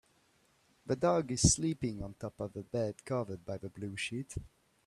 The dog is sleeping on top of the bed covered by the blue sheet.